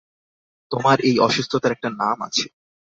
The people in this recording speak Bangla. তোমার এই অসুস্থতার একটা নাম আছে।